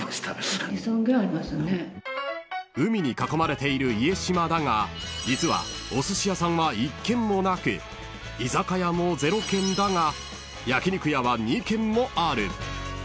［海に囲まれている家島だが実はおすし屋さんは１軒もなく居酒屋も０軒だが］